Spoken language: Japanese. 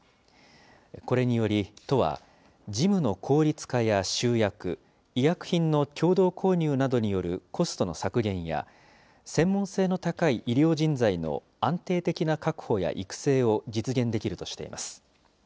これにより、都は、事務の効率化や集約、医薬品の共同購入などによるコストの削減や、専門性の高い医療人材の安定的な確保や育成を実現できるとしています。